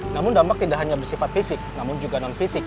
namun dampak tidak hanya bersifat fisik namun juga non fisik